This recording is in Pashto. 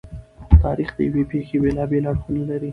تاریخ د یوې پېښې بېلابېلې اړخونه لري.